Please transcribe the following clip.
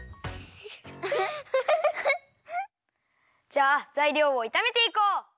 じゃあざいりょうをいためていこう！